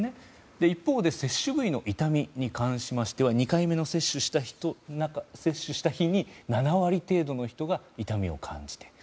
一方で接種部位の痛みに関しては２回目の接種をした日に７割程度の人が痛みを感じている。